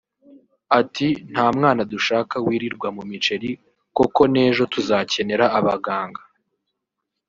Ati “nta mwana dushaka wirirwa mu miceri koko n’ejo tuzakenera abaganga